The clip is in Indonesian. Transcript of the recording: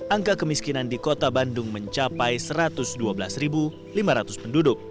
angka kemiskinan di kota bandung mencapai satu ratus dua belas lima ratus penduduk